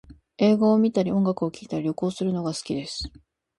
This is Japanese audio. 映画を観たり音楽を聴いたり、旅行をするのが好きです